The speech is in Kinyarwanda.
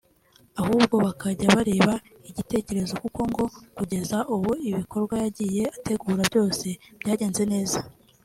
ahubwo bakajya bareba igitekerezo kuko ngo kugeza ubu ibikorwa yagiye ategura byose byagenze neza